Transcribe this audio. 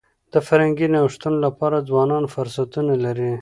د فرهنګي نوښتونو لپاره ځوانان فرصتونه لري.